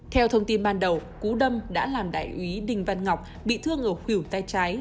theo thông tin ban đầu cú đâm đã làm đại úy đinh văn ngọc bị thương ở khỉu tay trái